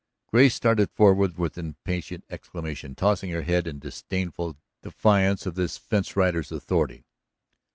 Grace started forward with impatient exclamation, tossing her head in disdainful defiance of this fence rider's authority.